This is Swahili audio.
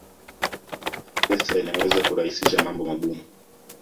Pesa inaweza kurahisisha mambo magumu